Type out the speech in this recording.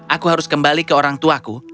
aku harus kembali ke orangtuaku